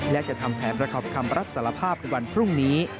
และจะทำแผนประกอบคำรับสารภาพในวันพรุ่งนี้